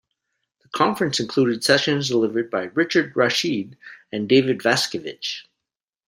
The conference included sessions delivered by Richard Rashid and David Vaskevitch.